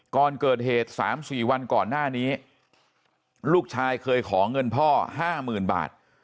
ก่อนเกิดเหตุ๓๔วันก่อนหน้านี้ลูกชายเคยขอเงินพ่อ๕๐๐๐บาท